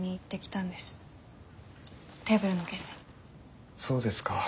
そうですか。